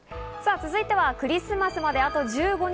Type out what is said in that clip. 続いてはクリスマスまで、あと１５日。